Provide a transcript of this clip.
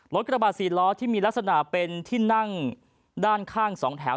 กระบาด๔ล้อที่มีลักษณะเป็นที่นั่งด้านข้าง๒แถว